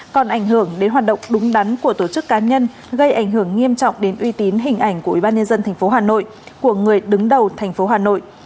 còn ảnh hưởng đến hoạt động đúng đắn của tổ chức cá nhân gây ảnh hưởng nghiêm trọng đến uy tín hình ảnh của ubnd tp hà nội của người đứng đầu tp hà nội